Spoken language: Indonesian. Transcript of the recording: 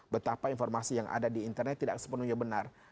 betapa informasi yang ada di internet tidak sepenuhnya benar